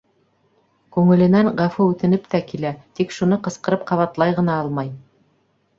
Күңеленән ғәфү үтенеп тә килә, тик шуны ҡысҡырып ҡабатлай ғына алмай.